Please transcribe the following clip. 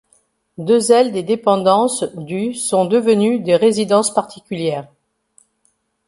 Deux ailes des dépendances du sont devenues des résidences particulières.